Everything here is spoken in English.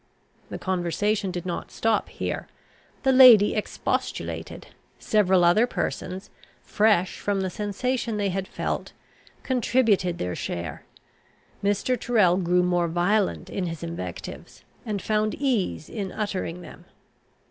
The conversation did not stop here. The lady expostulated. Several other persons, fresh from the sensation they had felt, contributed their share. Mr. Tyrrel grew more violent in his invectives, and found ease in uttering them.